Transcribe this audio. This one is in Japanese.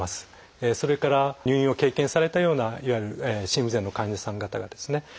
それから入院を経験されたようないわゆる心不全の患者さん方がですね